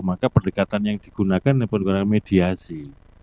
maka pendekatan yang digunakan adalah pendekatan mediasi